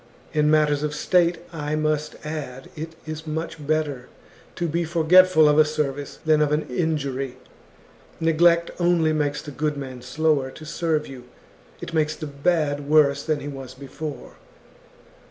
In matters of state, I must add, it is much better to be forgetful of a service than of an injury. Neglect only makes the good man slower to serve you, it makes the bad worse than he was before.